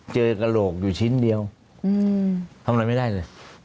กระโหลกอยู่ชิ้นเดียวทำอะไรไม่ได้เลย